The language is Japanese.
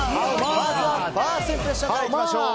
まずはファーストインプレッションからいきましょう。